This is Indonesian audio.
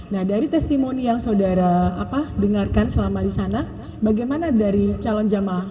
nah dari testimoni yang saudara dengarkan selama di sana bagaimana dari calon jamaah